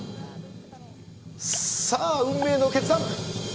さあ、運命の決断。